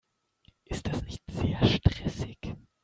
Ist das nicht sehr stressig?